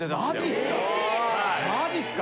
マジっすか！？